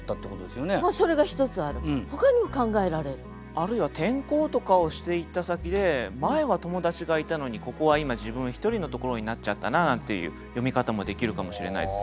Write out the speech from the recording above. あるいは転校とかをしていった先で前は友達がいたのにここは今自分一人のところになっちゃったななんていう読み方もできるかもしれないですね。